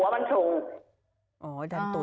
มันบอกว่าหัวมันถูก